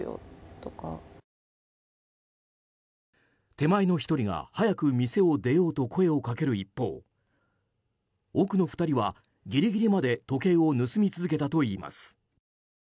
手前の１人が早く店を出ようと声をかける一方奥の２人はギリギリまで時計を盗み続けたといいます。